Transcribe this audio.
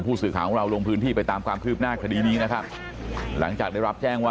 ผู้สื่อข่าวของเราลงพื้นที่ไปตามความคืบหน้าคดีนี้นะครับหลังจากได้รับแจ้งว่า